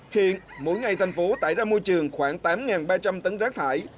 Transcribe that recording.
hiện mỗi ngày tp hcm tải ra môi trường khoảng tám ba trăm linh tấn rác thải